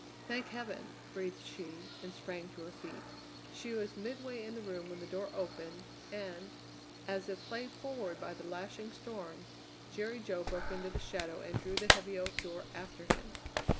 "Thank heaven!" breathed she, and sprang to her feet. She was midway in the room when the door opened, and, as if flayed forward by the lashing storm, Jerry Jo broke into the shadow and drew the heavy oak door after him.